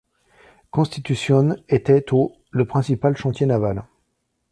Constitución était au le principal chantier naval.